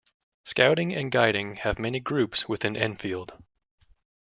Scouting and Guiding have many groups within Enfield.